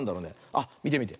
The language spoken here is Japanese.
あっみてみて。